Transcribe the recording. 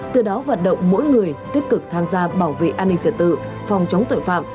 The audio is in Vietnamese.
từ đó vận động mỗi người tích cực tham gia bảo vệ an ninh trật tự phòng chống tội phạm